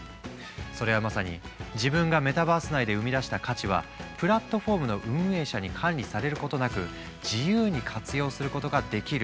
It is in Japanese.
それはまさに自分がメタバース内で生み出した価値はプラットフォームの運営者に管理されることなく自由に活用することができる。